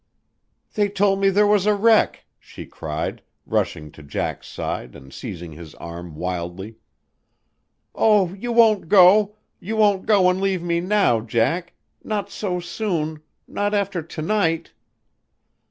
"They told me there was a wreck," she cried, rushing to Jack's side and seizing his arm wildly. "Oh, you won't go you won't go and leave me now, Jack not so soon not after to night!"